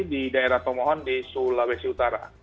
di daerah tomohon di sulawesi utara